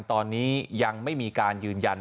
ตอนนี้ยังไม่มีการยืนยัน